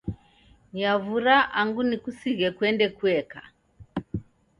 Nyavura angu nikusighe kuende kueka